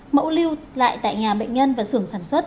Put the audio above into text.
mẫu lưu lại tại nhà bệnh nhân và xưởng sản xuất